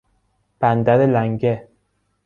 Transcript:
بندر لنگه